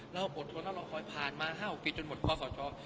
เราอดทนและรอคอยผ่านมา๕๖ปีจนหมดความสะชอบ